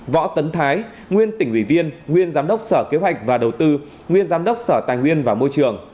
võ tấn thái nguyên tỉnh ủy viên nguyên giám đốc sở kế hoạch và đầu tư nguyên giám đốc sở tài nguyên và môi trường